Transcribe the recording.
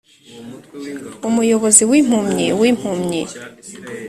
umuyobozi wimpumyi wimpumyi.